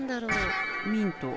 ミント。